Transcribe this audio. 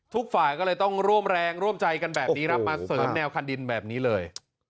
ทุกฝ่ายก็เลยต้องร่วมแรงร่วมใจกันแบบนี้ครับมาเสริมแนวคันดินแบบนี้เลย